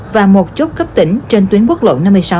và một chốt cấp tỉnh trên tuyến quốc lộ năm mươi sáu